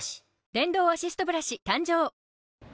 電動アシストブラシ誕生！